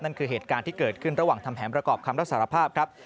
คือเหตุการณ์ที่เกิดขึ้นระหว่างทำแผนประกอบคำรับสารภาพครับ